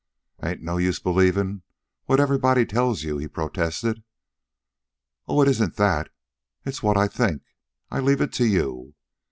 "Ain't no use believin' what everybody tells you," he protested. "Oh, it isn't that. It's what I think. I leave it to you.